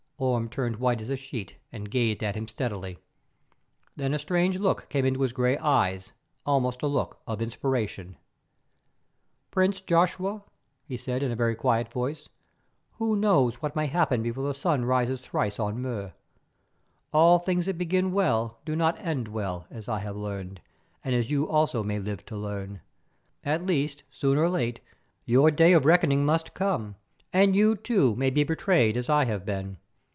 Orme turned white as a sheet and gazed at him steadily. Then a strange look came into his grey eyes, almost a look of inspiration. "Prince Joshua," he said in a very quiet voice, "who knows what may happen before the sun rises thrice on Mur? All things that begin well do not end well, as I have learned, and as you also may live to learn. At least, soon or late, your day of reckoning must come, and you, too, may be betrayed as I have been.